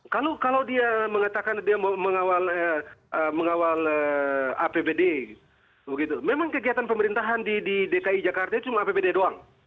kalau dia mengatakan dia mengawal apbd begitu memang kegiatan pemerintahan di dki jakarta cuma apbd doang